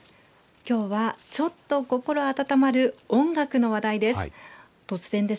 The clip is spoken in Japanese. きょうはちょっと心温まる音楽の話題です。